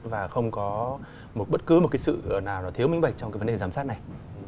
và không có một bất cứ một cái sự nào là thiếu minh bạch trong cái vấn đề giám sát này